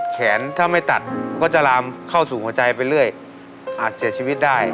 แขนถ้าไม่ตัดก็จะลามเข้าสู่หัวใจไปเรื่อยอาจเสียชีวิตได้